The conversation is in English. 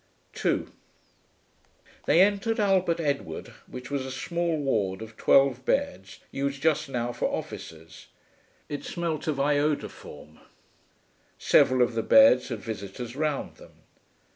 2 They entered Albert Edward, which was a small ward of twelve beds, used just now for officers. It smelt of iodoform. Several of the beds had visitors round them.